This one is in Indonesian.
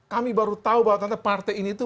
kami baru tahu bahwa ternyata partai ini itu